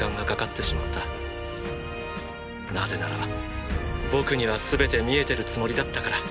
なぜなら僕には全て見えてるつもりだったから。